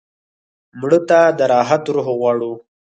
مړه ته د راحت روح غواړو